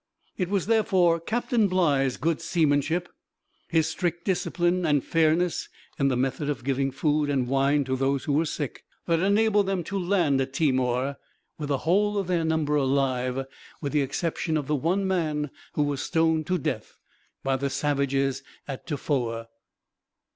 It was, therefore, Captain Bligh's good seamanship, his strict discipline and fairness in the method of giving food and wine to those who were sick, that enabled them to land at Timor with the whole of their number alive, with the exception of the one man who was stoned to death by the savages at Tofoa.